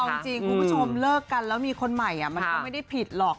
เอาจริงคุณผู้ชมเลิกกันแล้วมีคนใหม่มันก็ไม่ได้ผิดหรอก